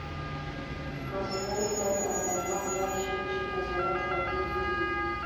مزغو ته پېغام لاړ شي چې عضلات کمزوري دي